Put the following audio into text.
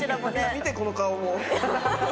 見てこの顔を。